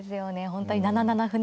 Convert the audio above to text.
本当に７七歩